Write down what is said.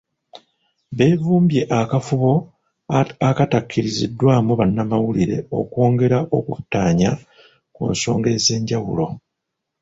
Beevumbye akafubo akatakkiriziddwamu bannamawulire okwongera okuttaanya ku nsonga ez'enjawulo.